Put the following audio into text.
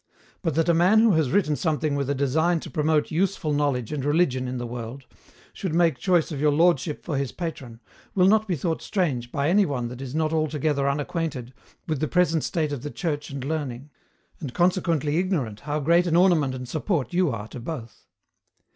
But that a man who has written something with a design to promote Useful Knowledge and Religion in the world should make choice of your lordship for his patron, will not be thought strange by any one that is not altogether unacquainted with the present state of the church and learning, and consequently ignorant how great an ornament and support you are to both.